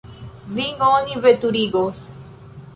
Vin oni veturigos.